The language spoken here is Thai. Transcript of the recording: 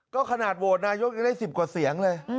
ก็ขนาดโหวตนายกยังได้๑๐กว่าเสียงเลย